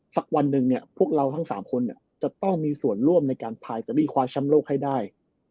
สักวันหนึ่งพวกเราทั้ง๓คนจะต้องมีส่วนร่วมในการพายไตรีควาชำโลกให้ได้